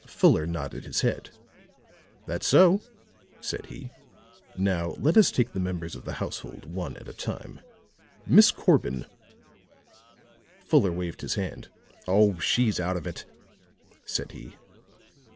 Fuller nodded his head. "That's so," said he. "Now let us take the members of the household one at a time. Miss Corbin " Fuller waved his hand. "Oh, she's out of it," said he.